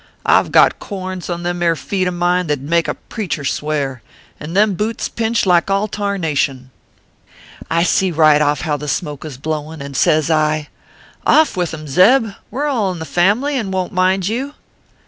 I ve got corns on them ere feet of mine that d make a preacher swear, and them butes pinch like all tarnation/ ORPHEUS C. KERR PAPERS. 233 " I sec right off how the smoke was blowin , and says I :" Off with em, Zeb ! We re all in the family, and won t mind you.